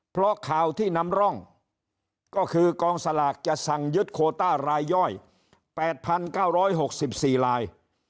เพราะข่าวที่นำร่องก็คือกองสลากจะสั่งยึดโคต้ารายย่อย๘๙๖๔ลาย